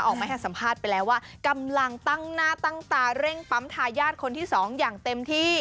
ออกมาให้สัมภาษณ์ไปแล้วว่ากำลังตั้งหน้าตั้งตาเร่งปั๊มทายาทคนที่สองอย่างเต็มที่